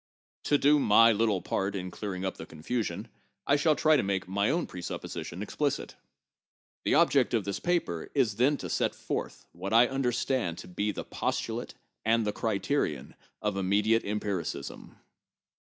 To do my little part in clearing up the confusion, I shall try to make my own presupposition explicit. The object of this paper is, then, to set forth what I understand to be the postulate and the criterion of immediate empiricism.